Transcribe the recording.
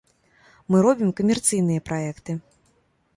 Мы робім камерцыйныя праекты.